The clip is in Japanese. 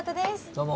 どうも。